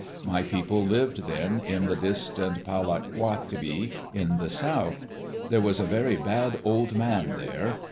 My people lived then in the distant Pa lat Kwa bi in the South. There was a very bad old man there.